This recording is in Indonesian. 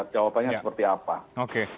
jawabannya seperti apa